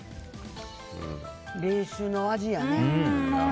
冷酒の味やね。